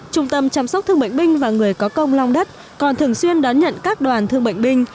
trung tâm chăm sóc thương bệnh binh và người có công long đất còn thường xuyên đón nhận các đoàn thương bệnh binh